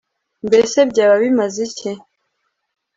mbese byaba bimaze iki